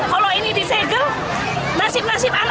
kalau ini disegel nasib nasib anak di sini gimana